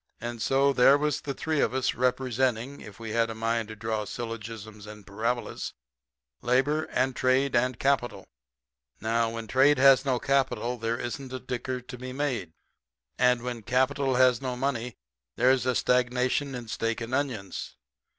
And so, there was the three of us, representing, if we had a mind to draw syllogisms and parabolas, labor and trade and capital. Now, when trade has no capital there isn't a dicker to be made. And when capital has no money there's a stagnation in steak and onions.